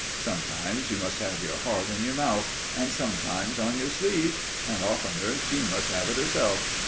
Sometimes you must have your heart in your mouth, and sometimes on your sleeve, and oftener she must have it herself.